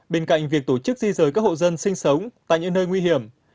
bên cạnh việc tổ chức di rời các hộ dân sinh sống tại những nơi nguy hiểm